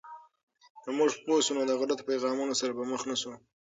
که موږ پوه شو، نو د غلطو پیغامونو سره به مخ نسو.